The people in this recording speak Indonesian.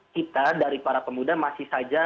kita dari para pemuda masih saja